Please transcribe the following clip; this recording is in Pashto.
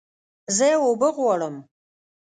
زه اوبه غواړم